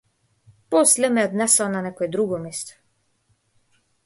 После ме однесоа на некое друго место.